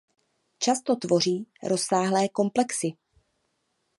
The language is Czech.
Často tvoří rozsáhlé komplexy.